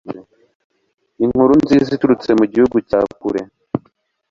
Inkuru nziza iturutse mu gihugu cya kure